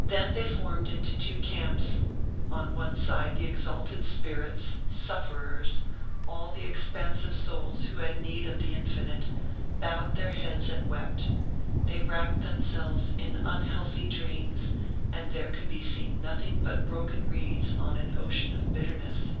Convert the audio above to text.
Then they formed into two camps: on one side the exalted spirits, sufferers, all the expansive souls who had need of the infinite, bowed their heads and wept; they wrapt themselves in unhealthy dreams and there could be seen nothing but broken reeds on an ocean of bitterness.